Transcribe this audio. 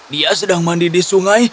dia sedang mandi di sungai